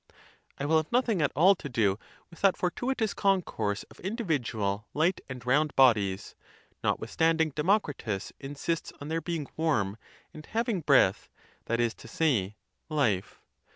I will have nothing at all to do with that fortuitous con course of individual light and round bodies, notwithstand ing Democritus insists on their being warm and having breath, that is to say, life.